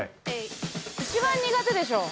一番苦手でしょ。